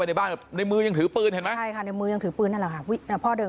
ไปในบ้านในมือยังถือปืนในมือยังถือปืนแล้วพ่อเดิน